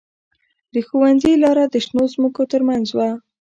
د ښوونځي لاره د شنو ځمکو ترمنځ وه